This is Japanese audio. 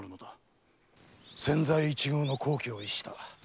千載一遇の好機を逸した。